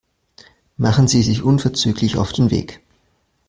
Machen Sie sich unverzüglich auf den Weg.